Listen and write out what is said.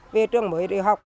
về trường mới đi học